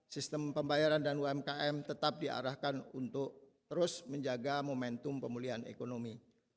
sistem pembayaran dan umkm tetap diarahkan untuk terus menjaga momentum pemulihan ekonomi